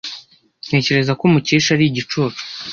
Ntekereza ko Mukesha ari igicucu.